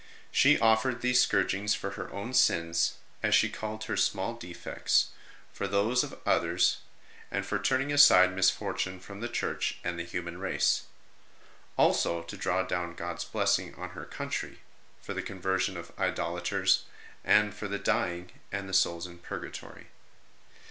She offered these scourgings for her own sins, as PENITENTIAL PRACTICES OF HER GIRLHOOD 87 she called her small defects, for those of others, and for turning aside misfortune from the Church and the human race ; also to draw down God s blessing on her country, for the conversion of idolaters, and for the dying and the souls in Purgatory.